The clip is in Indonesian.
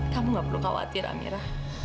kamu gak perlu khawatir amirah